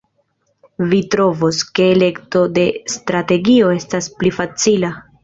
Vi trovos, ke elekto de strategio estas pli facila.